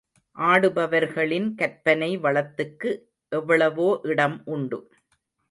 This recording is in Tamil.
ஆடுபவர்களின் கற்பனை வளத்துக்கு எவ்வளவோ இடம் உண்டு.